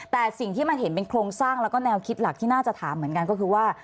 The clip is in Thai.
แต่สิ่งที่มันเห็นเป็นโครงสร้างแล้วก็แนวคิดหลักที่น่าจะถามเหมือนกันก็คือว่า